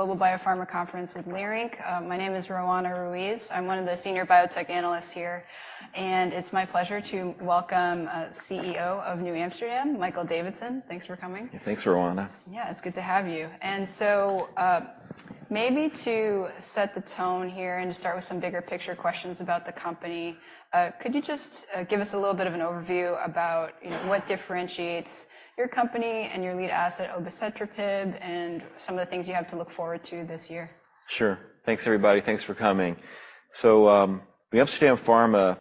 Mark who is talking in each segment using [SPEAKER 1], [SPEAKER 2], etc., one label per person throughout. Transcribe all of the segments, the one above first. [SPEAKER 1] Global Biopharma Conference with Leerink. My name is Roanna Ruiz. I'm one of the Senior Biotech Analysts here, and it's my pleasure to welcome CEO of NewAmsterdam, Michael Davidson. Thanks for coming.
[SPEAKER 2] Thanks, Roanna.
[SPEAKER 1] Yeah, it's good to have you. So maybe to set the tone here and to start with some bigger picture questions about the company, could you just give us a little bit of an overview about what differentiates your company and your lead asset, obicetrapib, and some of the things you have to look forward to this year?
[SPEAKER 2] Sure. Thanks, everybody. Thanks for coming. So NewAmsterdam Pharma,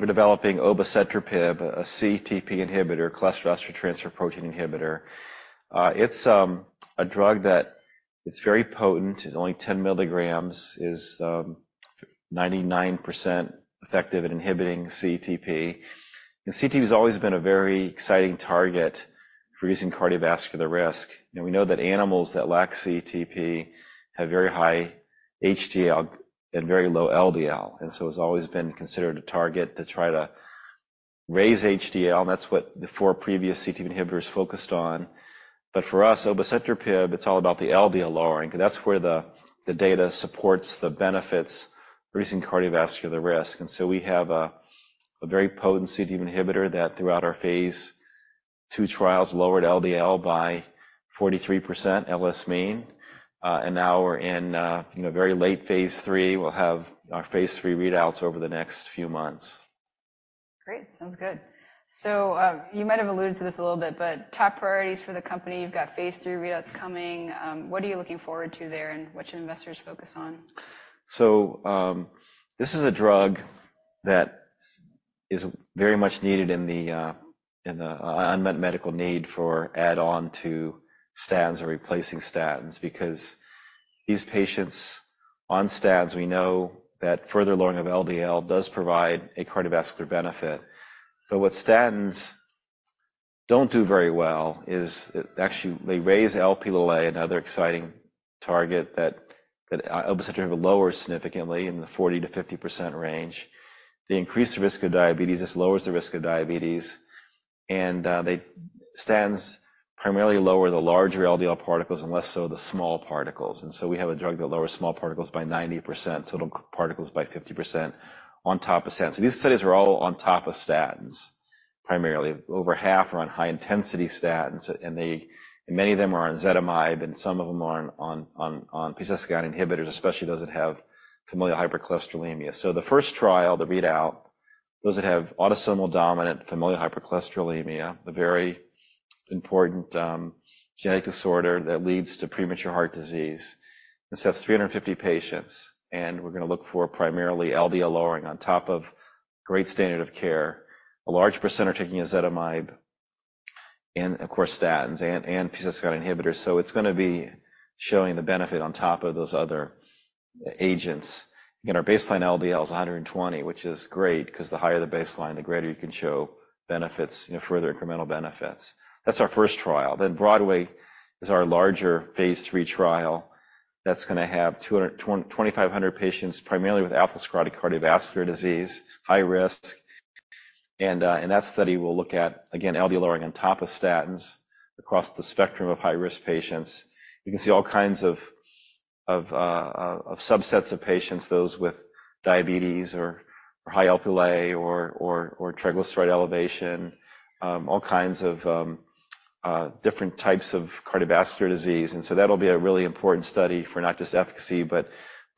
[SPEAKER 2] we're developing obicetrapib, a CETP inhibitor, cholesterol transfer protein inhibitor. It's a drug that's very potent. It's only 10 milligrams, is 99% effective at inhibiting CETP. And CETP has always been a very exciting target for reducing cardiovascular risk. And we know that animals that lack CETP have very high HDL and very low LDL. And so it's always been considered a target to try to raise HDL. And that's what the four previous CETP inhibitors focused on. But for us, obicetrapib, it's all about the LDL lowering, because that's where the data supports the benefits of reducing cardiovascular risk. And so we have a very potent CETP inhibitor that throughout our phase two trials lowered LDL by 43%, LS mean. And now we're in very late phase III. We'll have our phase III readouts over the next few months.
[SPEAKER 1] Great. Sounds good. So you might have alluded to this a little bit, but top priorities for the company, you've got phase III readouts coming. What are you looking forward to there, and what should investors focus on?
[SPEAKER 2] So this is a drug that is very much needed in the unmet medical need for add-on to statins or replacing statins, because these patients on statins, we know that further lowering of LDL does provide a cardiovascular benefit. But what statins don't do very well is actually they raise Lp(a) and other exciting targets that obicetrapib lowers significantly in the 40%-50% range. They increase the risk of diabetes. This lowers the risk of diabetes. And statins primarily lower the larger LDL particles and less so the small particles. And so we have a drug that lowers small particles by 90%, total particles by 50%, on top of statins. So these studies are all on top of statins, primarily. Over half are on high-intensity statins, and many of them are on ezetimibe, and some of them are on PCSK9 inhibitors, especially those that have familial hypercholesterolemia. So the first trial, the readout, those that have autosomal dominant familial hypercholesterolemia, a very important genetic disorder that leads to premature heart disease. This has 350 patients, and we're going to look for primarily LDL lowering on top of great standard of care. A large percent are taking ezetimibe and, of course, statins and PCSK9 inhibitors. So it's going to be showing the benefit on top of those other agents. Again, our baseline LDL is 120, which is great, because the higher the baseline, the greater you can show benefits, further incremental benefits. That's our first trial. Then BROADWAY is our larger phase III trial that's going to have 2,500 patients, primarily with atherosclerotic cardiovascular disease, high risk. And that study will look at, again, LDL lowering on top of statins across the spectrum of high-risk patients. You can see all kinds of subsets of patients, those with diabetes or high Lp(a) or triglyceride elevation, all kinds of different types of cardiovascular disease. And so that'll be a really important study for not just efficacy, but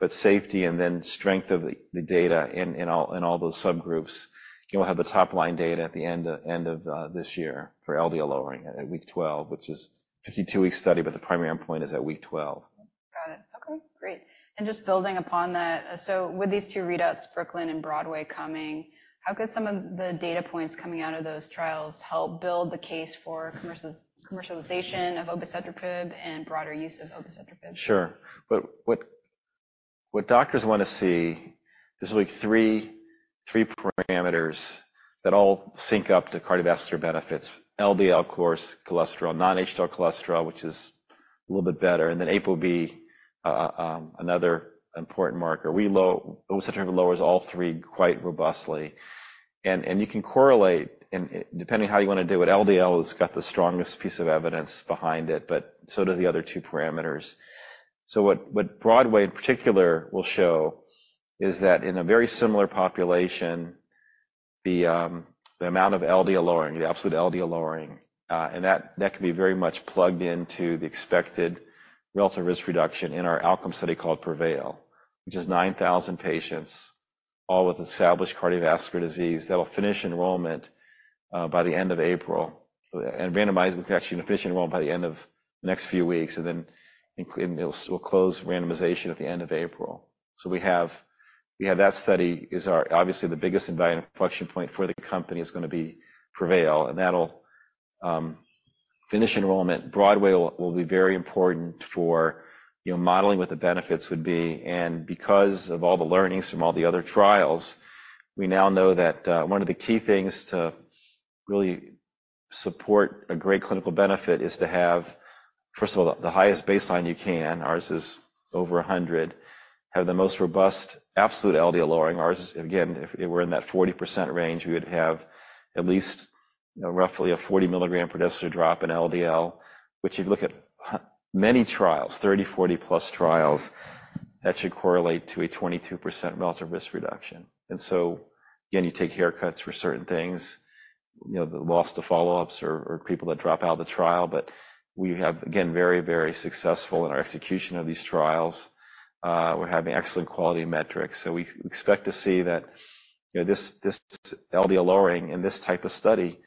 [SPEAKER 2] safety and then strength of the data in all those subgroups. And we'll have the top-line data at the end of this year for LDL lowering at week 12, which is a 52-week study, but the primary endpoint is at week 12.
[SPEAKER 1] Got it. Okay, great. And just building upon that, so with these two readouts, BROOKLYN and BROADWAY coming, how could some of the data points coming out of those trials help build the case for commercialization of obicetrapib and broader use of obicetrapib?
[SPEAKER 2] Sure. But what doctors want to see is really three parameters that all sync up to cardiovascular benefits: LDL, of course, cholesterol, non-HDL cholesterol, which is a little bit better, and then ApoB, another important marker. Obicetrapib lowers all three quite robustly. And you can correlate, and depending on how you want to do it, LDL has got the strongest piece of evidence behind it, but so do the other two parameters. So what BROADWAY, in particular, will show is that in a very similar population, the amount of LDL lowering, the absolute LDL lowering, and that can be very much plugged into the expected relative risk reduction in our outcome study called PREVAIL, which is 9,000 patients, all with established cardiovascular disease that will finish enrollment by the end of April. Randomized, we can actually finish enrollment by the end of the next few weeks, and then we'll close randomization at the end of April. We have that study is obviously the biggest inflection point for the company is going to be PREVAIL, and that'll finish enrollment. BROADWAY will be very important for modeling what the benefits would be. And because of all the learnings from all the other trials, we now know that one of the key things to really support a great clinical benefit is to have, first of all, the highest baseline you can. Ours is over 100, have the most robust absolute LDL lowering. Ours, again, if we're in that 40% range, we would have at least roughly a 40 mg/dL drop in LDL, which if you look at many trials, 30, 40+ trials, that should correlate to a 22% relative risk reduction. And so, again, you take haircuts for certain things, the loss to follow-ups or people that drop out of the trial. But we have, again, very, very successful in our execution of these trials. We're having excellent quality metrics. So we expect to see that this LDL lowering in this type of study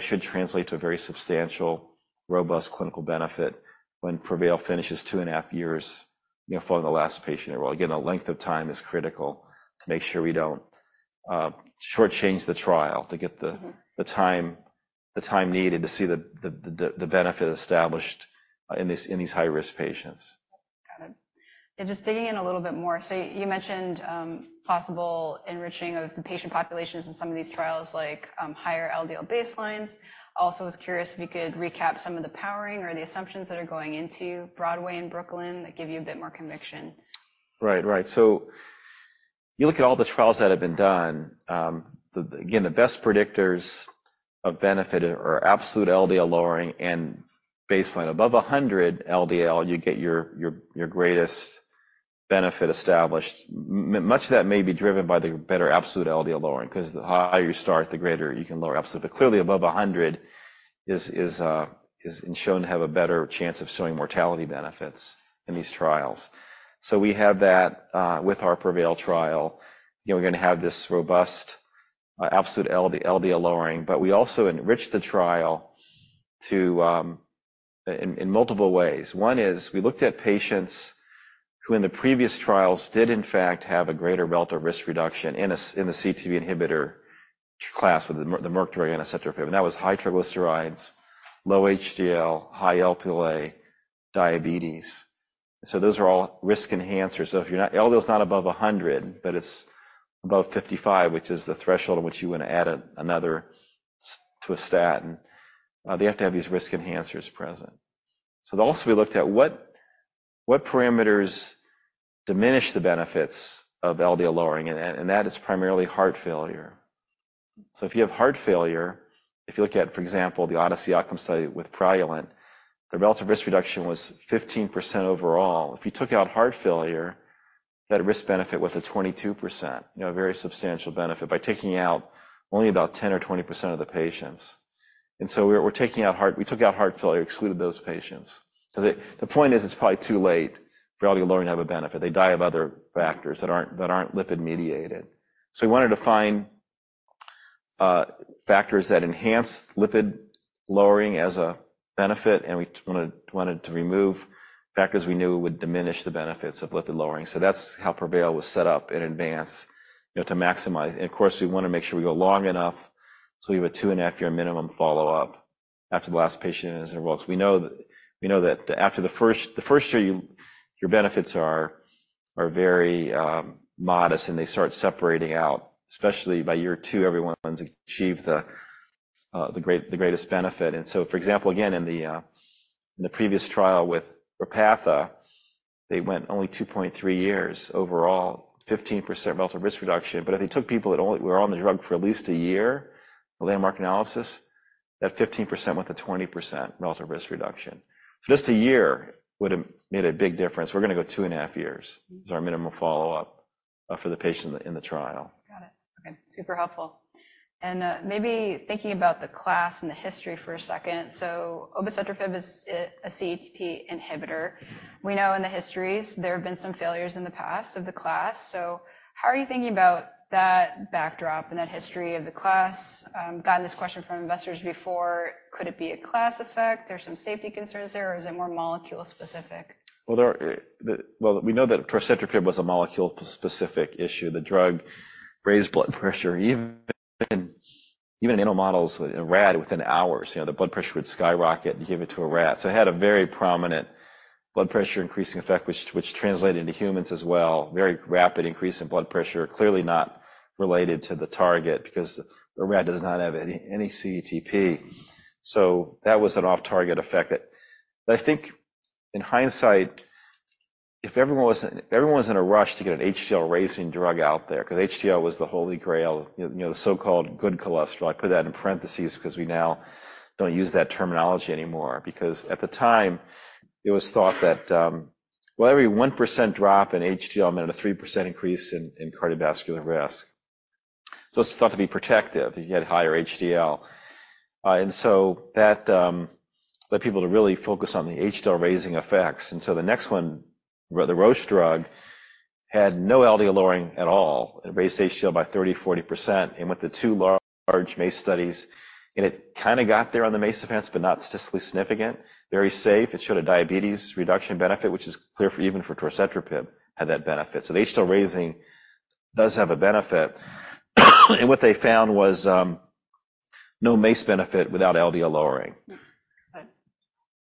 [SPEAKER 2] should translate to a very substantial, robust clinical benefit when PREVAIL finishes two and a half years following the last patient enrollment. Again, the length of time is critical to make sure we don't shortchange the trial, to get the time needed to see the benefit established in these high-risk patients.
[SPEAKER 1] Got it. Just digging in a little bit more, so you mentioned possible enriching of the patient populations in some of these trials, like higher LDL baselines. Also was curious if you could recap some of the powering or the assumptions that are going into BROADWAY and BROOKLYN that give you a bit more conviction?
[SPEAKER 2] Right, right. So you look at all the trials that have been done, again, the best predictors of benefit are absolute LDL lowering and baseline. Above 100 LDL, you get your greatest benefit established. Much of that may be driven by the better absolute LDL lowering, because the higher you start, the greater you can lower absolute. But clearly, above 100 is shown to have a better chance of showing mortality benefits in these trials. So we have that with our PREVAIL trial. We're going to have this robust absolute LDL lowering, but we also enriched the trial in multiple ways. One is we looked at patients who in the previous trials did, in fact, have a greater relative risk reduction in the CETP inhibitor class with the Merck and ezetimibe. And that was high triglycerides, low HDL, high Lp(a), diabetes. And so those are all risk enhancers. So if your LDL is not above 100, but it's above 55, which is the threshold in which you want to add another to a statin, they have to have these risk enhancers present. So also we looked at what parameters diminish the benefits of LDL lowering, and that is primarily heart failure. So if you have heart failure, if you look at, for example, the ODYSSEY outcome study with Praluent, the relative risk reduction was 15% overall. If you took out heart failure, that risk benefit was a 22%, a very substantial benefit by taking out only about 10% or 20% of the patients. And so we took out heart failure, excluded those patients. Because the point is it's probably too late for LDL lowering to have a benefit. They die of other factors that aren't lipid-mediated. So we wanted to find factors that enhance lipid lowering as a benefit, and we wanted to remove factors we knew would diminish the benefits of lipid lowering. So that's how PREVAIL was set up in advance to maximize. And of course, we want to make sure we go long enough so we have a two and half year minimum follow-up after the last patient is enrolled. Because we know that after the first year, your benefits are very modest, and they start separating out, especially by year two, everyone's achieved the greatest benefit. And so, for example, again, in the previous trial with Repatha, they went only 2.3 years overall, 15% relative risk reduction. But if they took people that were on the drug for at least a year, the landmark analysis, that 15% went to 20% relative risk reduction. So just a year would have made a big difference. We're going to go two and half years as our minimum follow-up for the patient in the trial.
[SPEAKER 1] Got it. Okay, super helpful. Maybe thinking about the class and the history for a second. Obicetrapib is a CETP inhibitor. We know in the history there have been some failures in the past of the class. How are you thinking about that backdrop and that history of the class? Gotten this question from investors before. Could it be a class effect? Are some safety concerns there, or is it more molecule specific?
[SPEAKER 2] Well, we know that torcetrapib was a molecule specific issue. The drug raised blood pressure. Even in animal models, a rat within hours, the blood pressure would skyrocket and give it to a rat. So it had a very prominent blood pressure increasing effect, which translated into humans as well, very rapid increase in blood pressure, clearly not related to the target because the rat does not have any CETP. So that was an off-target effect. But I think in hindsight, if everyone was in a rush to get an HDL-raising drug out there, because HDL was the holy grail, the so-called good cholesterol, I put that in parentheses because we now don't use that terminology anymore, because at the time, it was thought that, well, every 1% drop in HDL meant a 3% increase in cardiovascular risk. So it's thought to be protective if you had higher HDL. And so that led people to really focus on the HDL-raising effects. And so the next one, the Roche drug, had no LDL lowering at all. It raised HDL by 30%, 40% and went to two large MACE studies. And it kind of got there on the MACE defense, but not statistically significant, very safe. It showed a diabetes reduction benefit, which is clear even for obicetrapib had that benefit. So the HDL-raising does have a benefit. And what they found was no MACE benefit without LDL lowering.
[SPEAKER 1] Got it.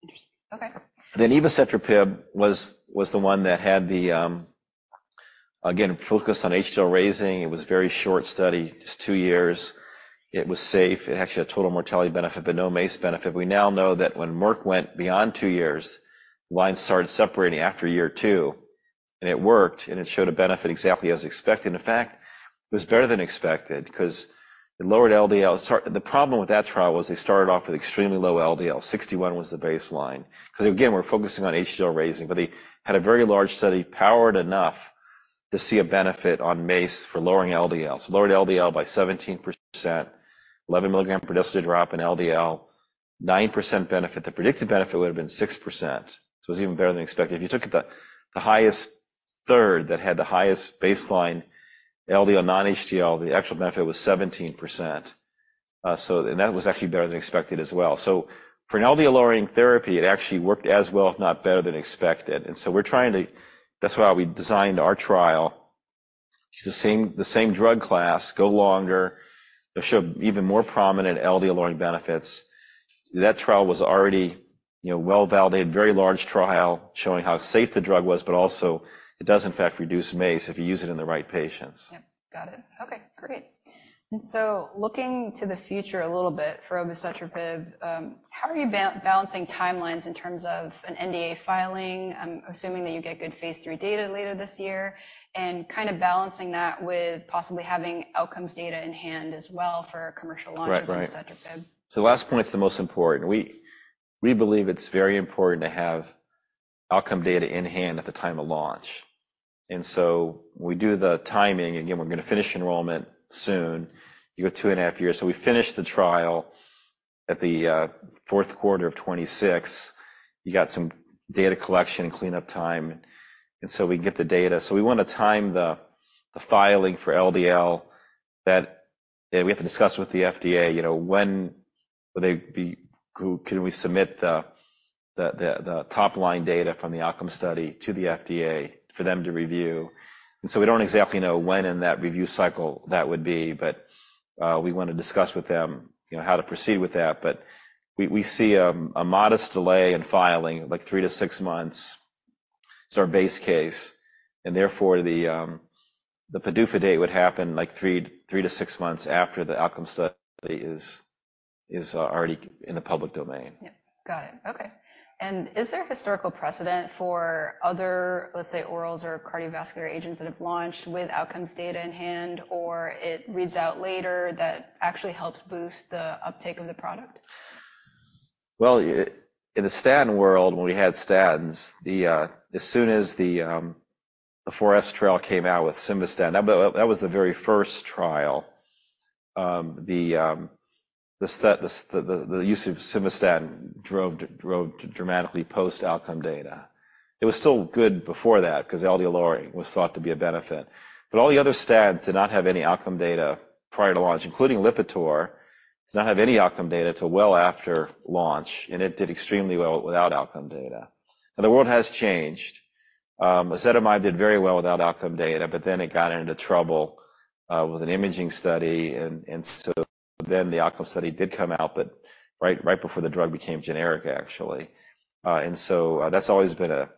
[SPEAKER 1] Interesting. Okay.
[SPEAKER 2] Then evacetrapib was the one that had the, again, focus on HDL-raising. It was a very short study, just two years. It was safe. It actually had a total mortality benefit, but no MACE benefit. We now know that when Merck went beyond two years, lines started separating after year two, and it worked, and it showed a benefit exactly as expected. In fact, it was better than expected because it lowered LDL. The problem with that trial was they started off with extremely low LDL. 61 was the baseline. Because again, we're focusing on HDL-raising, but they had a very large study powered enough to see a benefit on MACE for lowering LDL. So lowered LDL by 17%, 11 mg/dL drop in LDL, 9% benefit. The predicted benefit would have been 6%. So it was even better than expected. If you took the highest third that had the highest baseline LDL non-HDL, the actual benefit was 17%. And that was actually better than expected as well. So for an LDL-lowering therapy, it actually worked as well, if not better than expected. And so we're trying to, that's why we designed our trial. It's the same drug class, go longer, show even more prominent LDL-lowering benefits. That trial was already well-validated, very large trial showing how safe the drug was, but also it does, in fact, reduce MACE if you use it in the right patients.
[SPEAKER 1] Yep. Got it. Okay, great. And so looking to the future a little bit for obicetrapib, how are you balancing timelines in terms of an NDA filing? I'm assuming that you get good phase III data later this year and kind of balancing that with possibly having outcomes data in hand as well for commercial launch of obicetrapib.
[SPEAKER 2] Right, right. So the last point is the most important. We believe it's very important to have outcome data in hand at the time of launch. So when we do the timing, again, we're going to finish enrollment soon. You go two and half years. So we finished the trial at the fourth quarter of 2026. You got some data collection and cleanup time. And so we get the data. So we want to time the filing for LDL that we have to discuss with the FDA. When will they be can we submit the top-line data from the outcome study to the FDA for them to review? So we don't exactly know when in that review cycle that would be, but we want to discuss with them how to proceed with that. We see a modest delay in filing, like three to six months is our base case. Therefore, the PDUFA date would happen like three to six months after the outcome study is already in the public domain.
[SPEAKER 1] Yep. Got it. Okay. Is there historical precedent for other, let's say, orals or cardiovascular agents that have launched with outcomes data in hand, or it reads out later that actually helps boost the uptake of the product?
[SPEAKER 2] Well, in the statin world, when we had statins, as soon as the 4S trial came out with simvastatin, that was the very first trial. The use of simvastatin drove dramatically post-outcome data. It was still good before that because LDL lowering was thought to be a benefit. But all the other statins did not have any outcome data prior to launch, including Lipitor, did not have any outcome data until well after launch, and it did extremely well without outcome data. Now, the world has changed. Ezetimibe did very well without outcome data, but then it got into trouble with an imaging study. And so then the outcome study did come out, but right before the drug became generic, actually. And so that's always been a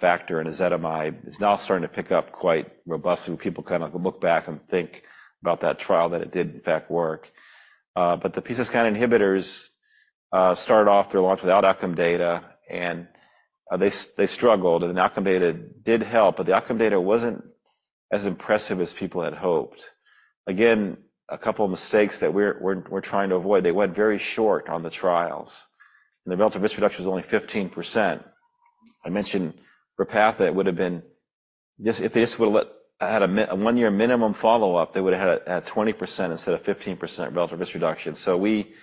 [SPEAKER 2] factor. And ezetimibe is now starting to pick up quite robustly. People kind of look back and think about that trial that it did, in fact, work. But the PCSK9 inhibitors started off their launch without outcome data, and they struggled. And the outcome data did help, but the outcome data wasn't as impressive as people had hoped. Again, a couple of mistakes that we're trying to avoid. They went very short on the trials. And the relative risk reduction was only 15%. I mentioned Repatha would have been if they just would have had a one-year minimum follow-up. They would have had 20% instead of 15% relative risk reduction. So we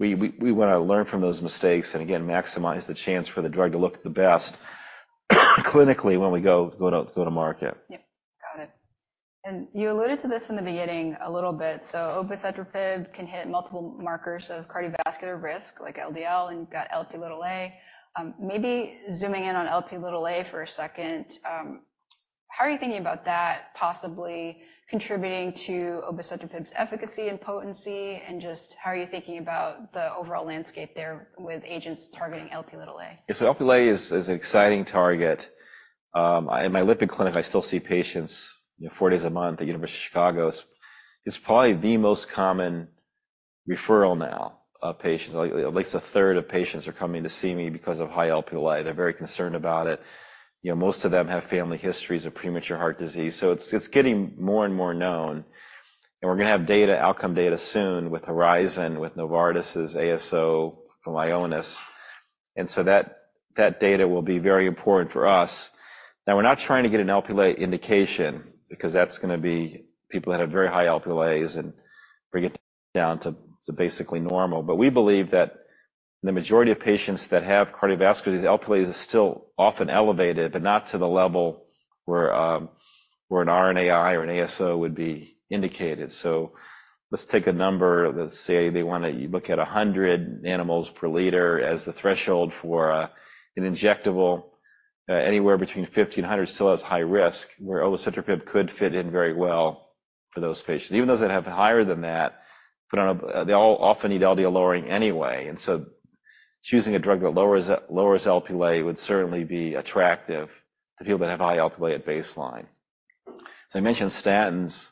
[SPEAKER 2] want to learn from those mistakes and, again, maximize the chance for the drug to look the best clinically when we go to market.
[SPEAKER 1] Yep. Got it. And you alluded to this in the beginning a little bit. So obicetrapib can hit multiple markers of cardiovascular risk, like LDL, and you've got Lp(a). Maybe zooming in on Lp(a) for a second, how are you thinking about that possibly contributing to obicetrapib's efficacy and potency, and just how are you thinking about the overall landscape there with agents targeting Lp(a)?
[SPEAKER 2] Yeah, so Lp(a) is an exciting target. In my lipid clinic, I still see patients four days a month at the University of Chicago. It's probably the most common referral now of patients. At least a third of patients are coming to see me because of high Lp(a). They're very concerned about it. Most of them have family histories of premature heart disease. So it's getting more and more known. And we're going to have data, outcome data soon with HORIZON, with Novartis's ASO from Ionis. And so that data will be very important for us. Now, we're not trying to get an Lp(a) indication because that's going to be people that have very high Lp(a)s and bring it down to basically normal. But we believe that in the majority of patients that have cardiovascular disease, Lp(a)s are still often elevated, but not to the level where an RNAi or an ASO would be indicated. So let's take a number. Let's say they want to look at 100 nmol per liter as the threshold for an injectable. Anywhere between 50-100 still has high risk, where obicetrapib could fit in very well for those patients. Even those that have higher than that, they all often need LDL lowering anyway. And so choosing a drug that lowers Lp(a) would certainly be attractive to people that have high Lp(a) at baseline. So I mentioned statins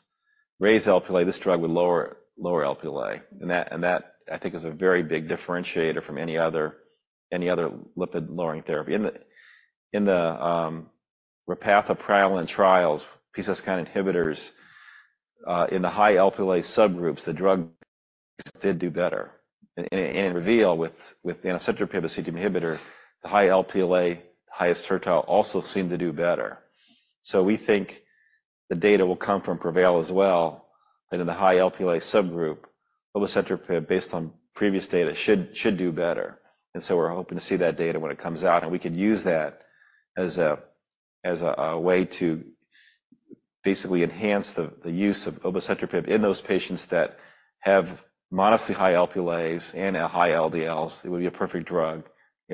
[SPEAKER 2] raise Lp(a). This drug would lower Lp(a). And that, I think, is a very big differentiator from any other lipid-lowering therapy. In the Repatha Praluent trials, PCSK9 inhibitors, in the high Lp(a) subgroups, the drugs did do better. In REVEAL, with the obicetrapib CETP inhibitor, the high Lp(a), the highest quartile, also seemed to do better. So we think the data will come from PREVAIL as well. In the high Lp(a) subgroup, obicetrapib, based on previous data, should do better. So we're hoping to see that data when it comes out. We could use that as a way to basically enhance the use of obicetrapib in those patients that have modestly high Lp(a)s and high LDLs. It would be a perfect drug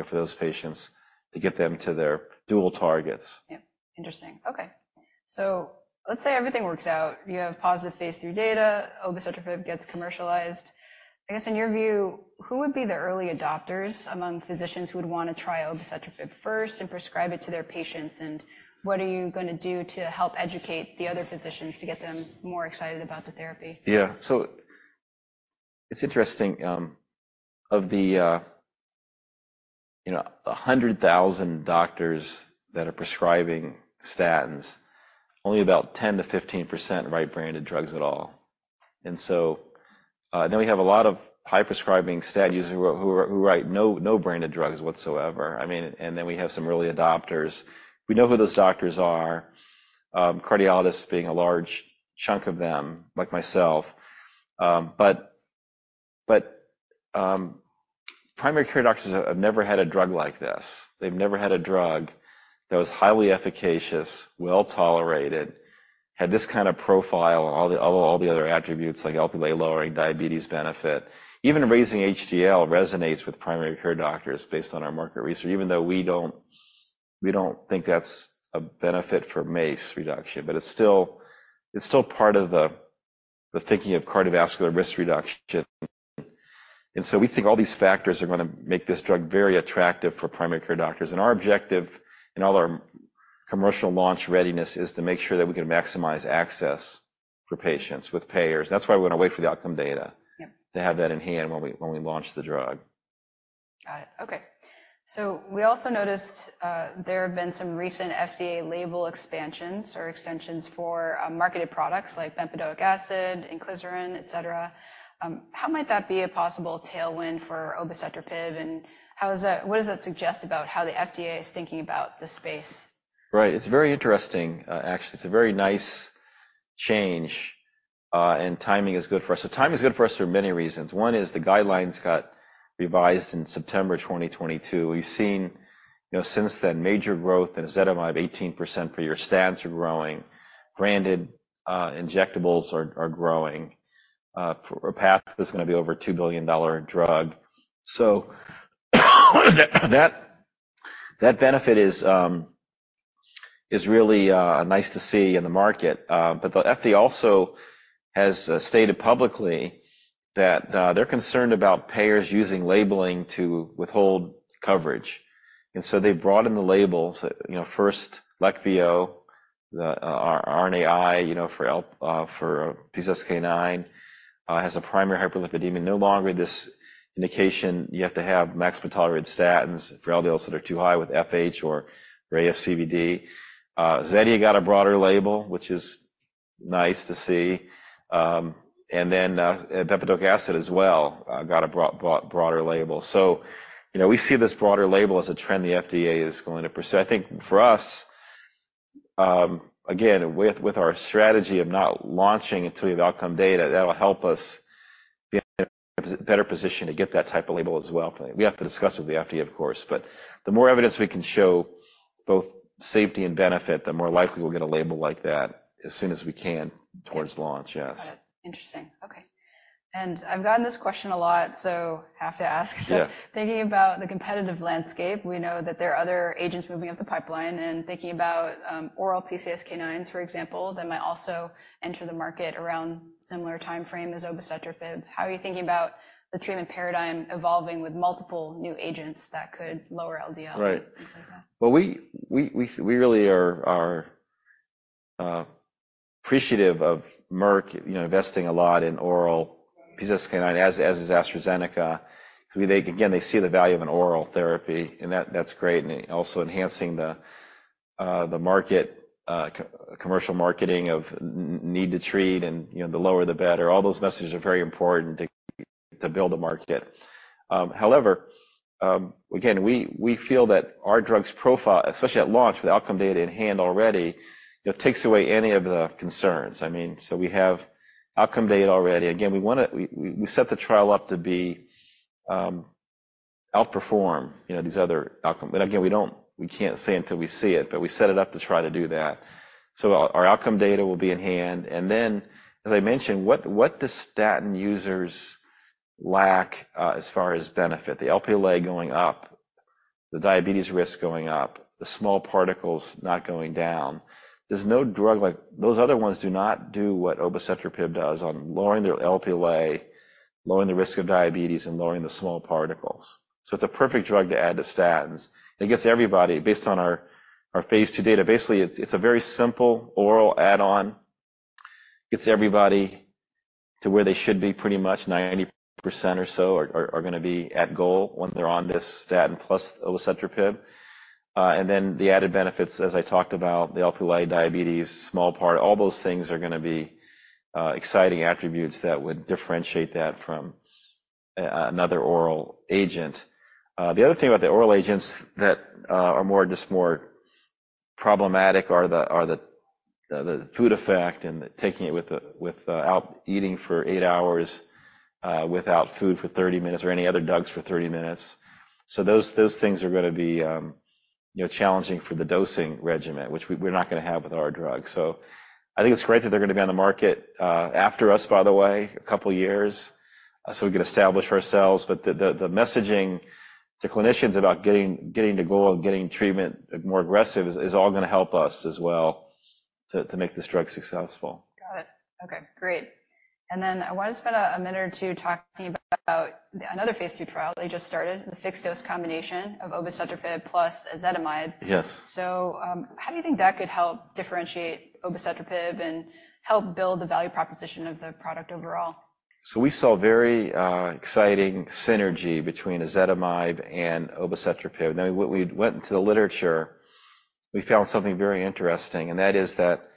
[SPEAKER 2] for those patients to get them to their dual targets.
[SPEAKER 1] Yep. Interesting. Okay. So let's say everything works out. You have positive phase III data. Obicetrapib gets commercialized. I guess, in your view, who would be the early adopters among physicians who would want to try obicetrapib first and prescribe it to their patients? And what are you going to do to help educate the other physicians to get them more excited about the therapy?
[SPEAKER 2] Yeah. So it's interesting. Of the 100,000 doctors that are prescribing statins, only about 10%-15% write branded drugs at all. And then we have a lot of high-prescribing statin users who write no branded drugs whatsoever. I mean, and then we have some early adopters. We know who those doctors are, cardiologists being a large chunk of them, like myself. But primary care doctors have never had a drug like this. They've never had a drug that was highly efficacious, well-tolerated, had this kind of profile, all the other attributes like Lp(a) lowering, diabetes benefit. Even raising HDL resonates with primary care doctors based on our market research, even though we don't think that's a benefit for MACE reduction. But it's still part of the thinking of cardiovascular risk reduction. We think all these factors are going to make this drug very attractive for primary care doctors. Our objective in all our commercial launch readiness is to make sure that we can maximize access for patients with payers. That's why we want to wait for the outcome data to have that in hand when we launch the drug.
[SPEAKER 1] Got it. Okay. So we also noticed there have been some recent FDA label expansions or extensions for marketed products like bempedoic acid, inclisiran, etc. How might that be a possible tailwind for obicetrapib? And what does that suggest about how the FDA is thinking about the space?
[SPEAKER 2] Right. It's very interesting, actually. It's a very nice change. Timing is good for us. Timing is good for us for many reasons. One is the guidelines got revised in September 2022. We've seen since then major growth in ezetimibe 18% per year. Statins are growing. Branded injectables are growing. Repatha is going to be over a $2 billion drug. So that benefit is really nice to see in the market. But the FDA also has stated publicly that they're concerned about payers using labeling to withhold coverage. So they brought in the labels. First, LEQVIO, our RNAi for PCSK9, has a primary hyperlipidemia. No longer this indication you have to have max tolerated statins for LDLs that are too high with FH or raised ASCVD. Zetia got a broader label, which is nice to see. Then bempedoic acid as well got a broader label. So we see this broader label as a trend the FDA is going to pursue. I think for us, again, with our strategy of not launching until you have outcome data, that'll help us be in a better position to get that type of label as well. We have to discuss with the FDA, of course. But the more evidence we can show both safety and benefit, the more likely we'll get a label like that as soon as we can towards launch, yes.
[SPEAKER 1] Got it. Interesting. Okay. And I've gotten this question a lot, so have to ask. So thinking about the competitive landscape, we know that there are other agents moving up the pipeline. And thinking about oral PCSK9s, for example, that might also enter the market around a similar timeframe as obicetrapib. How are you thinking about the treatment paradigm evolving with multiple new agents that could lower LDL? Things like that.
[SPEAKER 2] Right. Well, we really are appreciative of Merck investing a lot in oral PCSK9 as is AstraZeneca. Again, they see the value of an oral therapy, and that's great. And also enhancing the commercial marketing of need to treat and the lower, the better. All those messages are very important to build a market. However, again, we feel that our drug's profile, especially at launch with outcome data in hand already, takes away any of the concerns. I mean, so we have outcome data already. Again, we set the trial up to outperform these other outcomes. And again, we can't say until we see it, but we set it up to try to do that. So our outcome data will be in hand. And then, as I mentioned, what do statin users lack as far as benefit? The Lp(a) going up, the diabetes risk going up, the small particles not going down. There's no drug like those other ones do not do what obicetrapib does on lowering their Lp(a), lowering the risk of diabetes, and lowering the small particles. So it's a perfect drug to add to statins. It gets everybody based on our phase II data. Basically, it's a very simple oral add-on. It gets everybody to where they should be, pretty much 90% or so are going to be at goal when they're on this statin plus obicetrapib. And then the added benefits, as I talked about, the Lp(a), diabetes, small part, all those things are going to be exciting attributes that would differentiate that from another oral agent. The other thing about the oral agents that are just more problematic are the food effect and taking it with eating for 8 hours without food for 30 minutes or any other drugs for 30 minutes. So those things are going to be challenging for the dosing regimen, which we're not going to have with our drug. So I think it's great that they're going to be on the market after us, by the way, a couple of years, so we can establish ourselves. But the messaging to clinicians about getting to goal and getting treatment more aggressive is all going to help us as well to make this drug successful.
[SPEAKER 1] Got it. Okay. Great. And then I want to spend a minute or two talking about another phase II trial they just started, the fixed-dose combination of obicetrapib plus ezetimibe. So how do you think that could help differentiate obicetrapib and help build the value proposition of the product overall?
[SPEAKER 2] So we saw very exciting synergy between ezetimibe and obicetrapib. Now, when we went into the literature, we found something very interesting. And that is that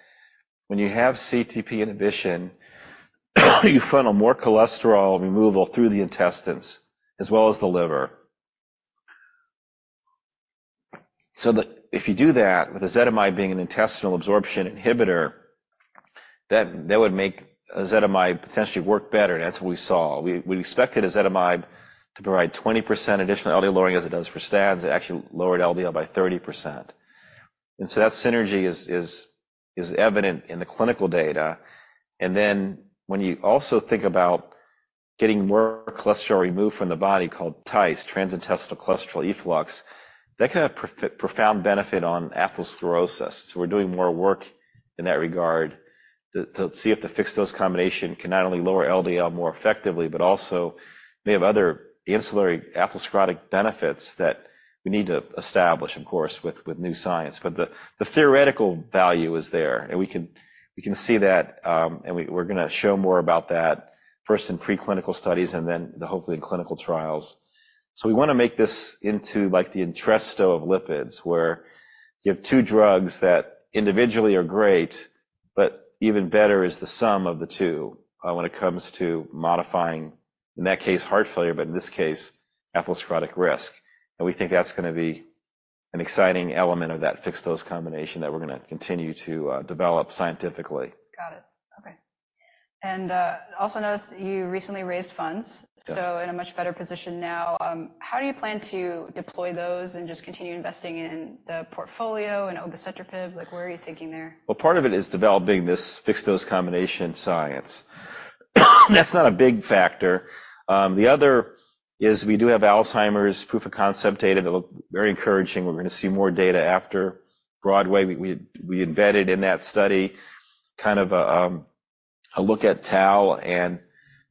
[SPEAKER 2] when you have CETP inhibition, you funnel more cholesterol removal through the intestines as well as the liver. So if you do that with ezetimibe being an intestinal absorption inhibitor, that would make ezetimibe potentially work better. That's what we saw. We expected ezetimibe to provide 20% additional LDL lowering as it does for statins. It actually lowered LDL by 30%. And so that synergy is evident in the clinical data. And then when you also think about getting more cholesterol removed from the body called TICE, transintestinal cholesterol efflux, that can have profound benefit on atherosclerosis. So we're doing more work in that regard to see if the fixed dose combination can not only lower LDL more effectively, but also may have other ancillary atherosclerotic benefits that we need to establish, of course, with new science. But the theoretical value is there. And we can see that. And we're going to show more about that first in preclinical studies and then hopefully in clinical trials. So we want to make this into the Entresto of lipids, where you have two drugs that individually are great, but even better is the sum of the two when it comes to modifying, in that case, heart failure, but in this case, atherosclerotic risk. And we think that's going to be an exciting element of that fixed dose combination that we're going to continue to develop scientifically.
[SPEAKER 1] Got it. Okay. And I also noticed you recently raised funds, so in a much better position now. How do you plan to deploy those and just continue investing in the portfolio and obicetrapib? Where are you thinking there?
[SPEAKER 2] Well, part of it is developing this fixed dose combination science. That's not a big factor. The other is we do have Alzheimer's proof of concept data that look very encouraging. We're going to see more data after BROADWAY. We embedded in that study kind of a look at Tau and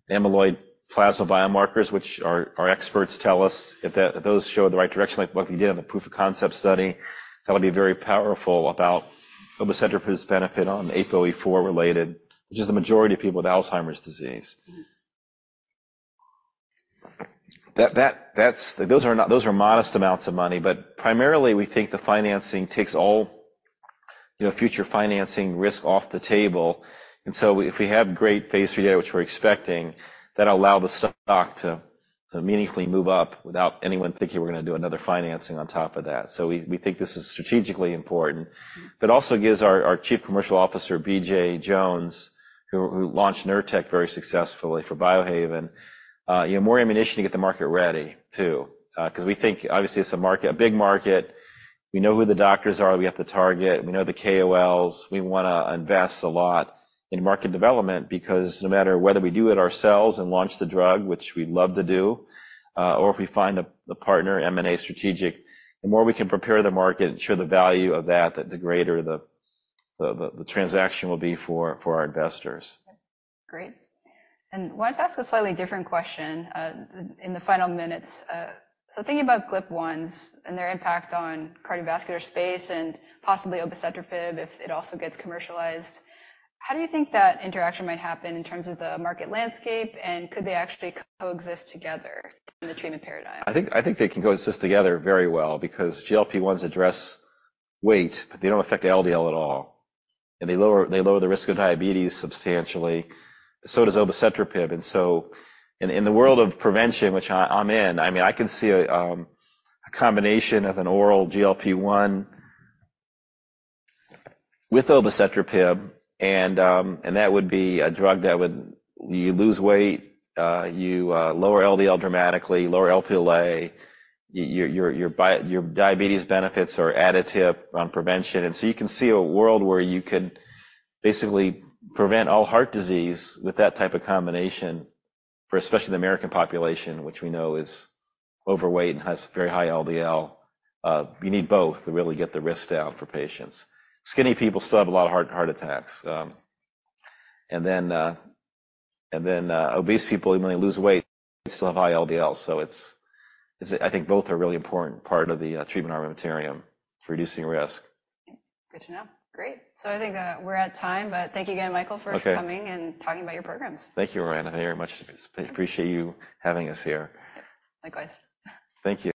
[SPEAKER 2] amyloid plasma biomarkers, which our experts tell us if those show the right direction, like what we did in the proof of concept study. That'll be very powerful about obicetrapib's benefit on ApoE4-related, which is the majority of people with Alzheimer's disease. Those are modest amounts of money. But primarily, we think the financing takes all future financing risk off the table. And so if we have great phase III data, which we're expecting, that'll allow the stock to meaningfully move up without anyone thinking we're going to do another financing on top of that. So we think this is strategically important. But it also gives our Chief Commercial Officer, BJ Jones, who launched Nurtec very successfully for Biohaven, more ammunition to get the market ready too. Because we think, obviously, it's a big market. We know who the doctors are. We have to target. We know the KOLs. We want to invest a lot in market development because no matter whether we do it ourselves and launch the drug, which we love to do, or if we find a partner, M&A strategic, the more we can prepare the market and show the value of that, the greater the transaction will be for our investors.
[SPEAKER 1] Okay. Great. And I want to ask a slightly different question in the final minutes. So thinking about GLP-1s and their impact on cardiovascular space and possibly obicetrapib if it also gets commercialized, how do you think that interaction might happen in terms of the market landscape? And could they actually coexist together in the treatment paradigm?
[SPEAKER 2] I think they can coexist together very well because GLP-1s address weight, but they don't affect LDL at all. And they lower the risk of diabetes substantially. So does obicetrapib. And so in the world of prevention, which I'm in, I mean, I can see a combination of an oral GLP-1 with obicetrapib. And that would be a drug that would you lose weight, you lower LDL dramatically, lower Lp(a). Your diabetes benefits are additive on prevention. And so you can see a world where you can basically prevent all heart disease with that type of combination, especially the American population, which we know is overweight and has very high LDL. You need both to really get the risk out for patients. Skinny people still have a lot of heart attacks. And then obese people, when they lose weight, still have high LDL. I think both are a really important part of the treatment armamentarium for reducing risk.
[SPEAKER 1] Good to know. Great. So I think we're at time. But thank you again, Michael, for coming and talking about your programs.
[SPEAKER 2] Thank you, Roanna. I very much appreciate you having us here.
[SPEAKER 1] Likewise.
[SPEAKER 2] Thank you.